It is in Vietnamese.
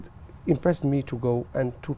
tôi rất vui khi ở hnu